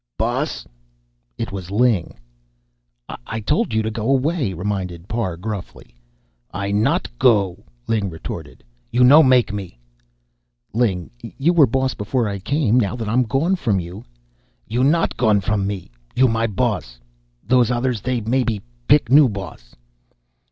"Boss!" It was Ling. "I told you to go away," reminded Parr gruffly. "I not go," Ling retorted. "You no make me." "Ling, you were boss before I came. Now that I'm gone from you " "You not gone from me. You my boss. Those others, they maybe pick new boss."